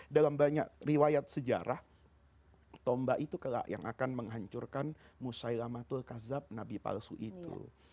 dalam banyak riwayat sejarah tombak itu kelak yang akan menghancurkan musaylamatul kazab nabi palsu itu